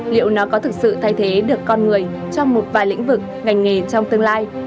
liệu nó có thực sự thay thế được con người trong một vài lĩnh vực ngành nghề trong tương lai